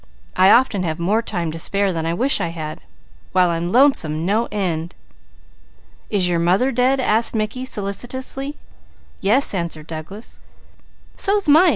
I often have more time to spare than I wish I had, while I'm lonesome no end." "Is your mother dead?" asked Mickey solicitously. "Yes," answered Douglas. "So's mine!"